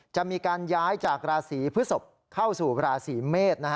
จะมีการย้ายจากราศีพฤศพเข้าสู่ราศีเมษ